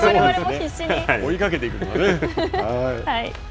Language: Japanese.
追いかけていくのがね。